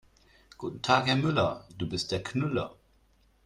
Guten Tag Herr Müller, du bist der Knüller.